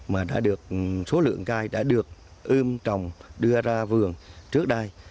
mà đã được số lượng cây đã được ươm trồng đưa ra vườn trước đây